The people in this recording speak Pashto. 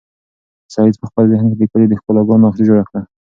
سعید په خپل ذهن کې د کلي د ښکلاګانو نقشه جوړه کړه.